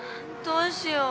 どうしよう。